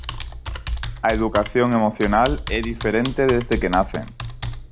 A educación emocional é diferente desde que nacen.